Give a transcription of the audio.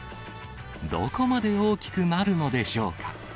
どこまで大きくなるのでしょうか。